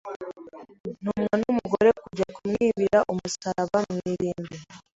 ntumwa n’umugore kujya kumwibira umusaraba mu irimbi,